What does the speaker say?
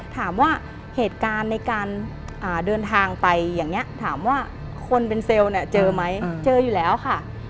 ถามว่าเหตุการณ์ในการเดินทางไปอย่างนี้ถามว่าคนเป็นเซลล์เนี่ยเจอไหมเจออยู่แล้วค่ะ